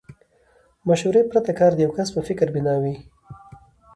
مشورې پرته کار د يوه کس په فکر بنا وي.